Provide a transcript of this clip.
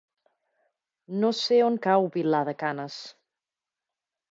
No sé on cau Vilar de Canes.